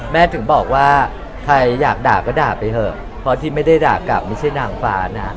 ถึงบอกว่าใครอยากด่าก็ด่าไปเถอะเพราะที่ไม่ได้ด่ากลับไม่ใช่นางฟ้านะ